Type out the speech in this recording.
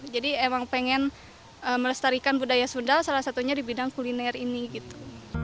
emang pengen melestarikan budaya sunda salah satunya di bidang kuliner ini gitu